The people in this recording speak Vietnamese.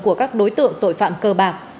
của các đối tượng tội phạm cơ bạc